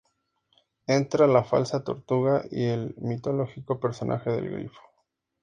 Entra la Falsa Tortuga y el mitológico personaje del Grifo.